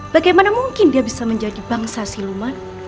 bagaimana mungkin dia bisa menjadi bangsa siluman